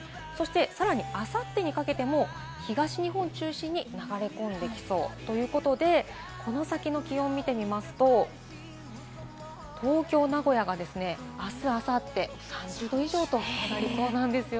さらに明後日にかけても東日本を中心に流れ込んできそうということで、この先の気温を見てみますと、東京・名古屋が明日、明後日、３０度以上となりそうです。